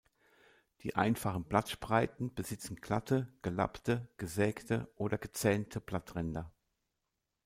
Die einfachen Blattspreiten besitzen glatte, gelappte, gesägte oder gezähnte Blattränder.